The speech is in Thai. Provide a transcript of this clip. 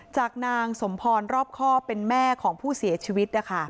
จากนางสมพรรอบข้อเป็นแม่ของผู้เสียชีวิต